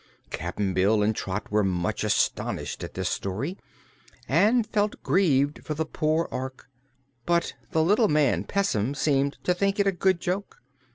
Cap'n Bill and Trot were much astonished at this story and felt grieved for the poor Ork, but the little man Pessim seemed to think it a good joke.